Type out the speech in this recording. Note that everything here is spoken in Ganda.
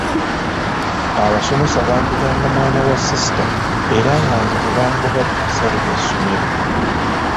Abasomesa bampitanga mwana wa sisita era nga nze tebangoba bisale bya ssomero.